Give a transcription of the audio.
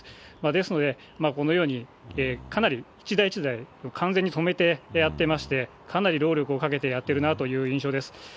ですので、このようにかなり一台一台、完全に止めてやってまして、かなり労力をかけてやっているなという印象です。